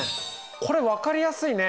これ分かりやすいね。